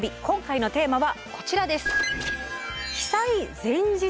今回のテーマはこちらです。